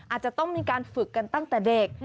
อาจจะต้องมีการฝึกกันตั้งแต่เด็ก